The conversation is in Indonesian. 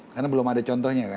karena belum ada contohnya kan